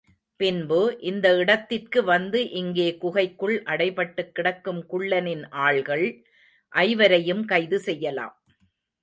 பின்பு, இந்த இடத்திற்கு வந்து இங்கே குகைக்குள் அடைபட்டுக் கிடக்கும் குள்ளனின் ஆள்கள் ஐவரையும் கைது செய்யலாம்.